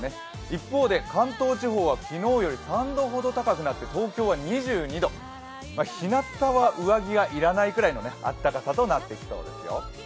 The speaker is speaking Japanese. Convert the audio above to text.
一方で、関東地方は昨日より３度ほど高くなって東京は２２度、ひなたは上着が要らないくらいのあったかさとなってきそうですよ。